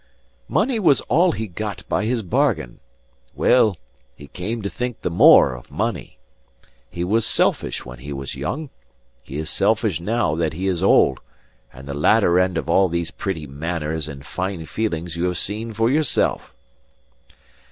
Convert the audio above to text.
Money was all he got by his bargain; well, he came to think the more of money. He was selfish when he was young, he is selfish now that he is old; and the latter end of all these pretty manners and fine feelings you have seen for yourself."